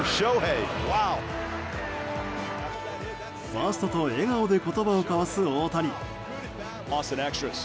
ファーストと笑顔で言葉を交わす大谷。